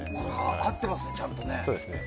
合ってますね、ちゃんと。